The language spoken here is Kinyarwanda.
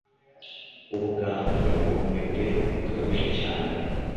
ubwangwe: ubunebwe. bukabije cyane